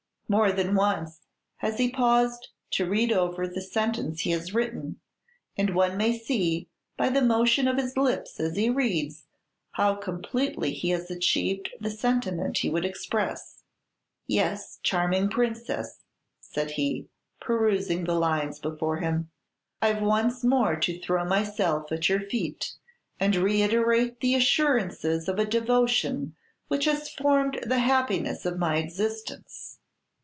More than once has he paused to read over the sentence he has written, and one may see, by the motion of his lips as he reads, how completely he has achieved the sentiment he would express. "Yes, charming Princess," said he, perusing the lines before him, "I've once more to throw myself at your feet, and reiterate the assurances of a devotion which has formed the happiness of my existence."